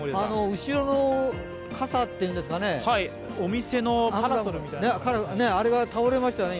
後ろの傘というんですかね、あれが倒れましたね、今。